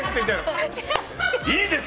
いいです。